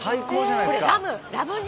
これ、ラム肉。